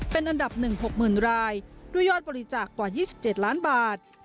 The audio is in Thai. เป็นอันดับ๑๖๐๐๐รายด้วยยอดบริจาคกว่า๒๗ล้านบาท